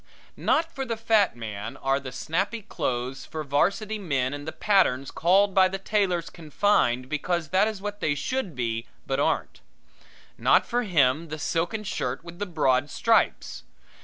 Not for the fat man are the snappy clothes for varsity men and the patterns called by the tailors confined because that is what they should be but aren't. Not for him the silken shirt with the broad stripes.